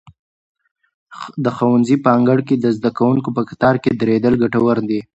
د ښوونځي په انګړ کې د زده کوونکو په کتار کې درېدل ګټور دي.